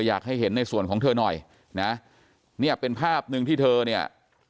อยากให้เห็นในส่วนของเธอหน่อยนะเนี่ยเป็นภาพหนึ่งที่เธอเนี่ย